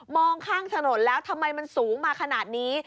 ข้างถนนแล้วทำไมมันสูงมาขนาดนี้